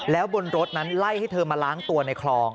แล้วบนรถนั้นไล่ให้เธอมาล้างตัวในคลอง